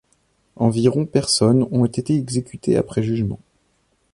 Environ personnes ont été exécutées après jugement.